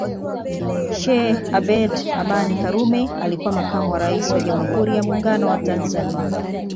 Sheikh Abeid Amani Karume alikuwa Makamu wa Rais wa Jamhuri ya Muungano wa Tanzania